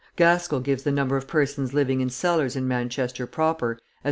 Gaskell gives the number of persons living in cellars in Manchester proper as 20,000.